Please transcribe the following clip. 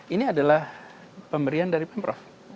ini adalah pemberian dari pemprov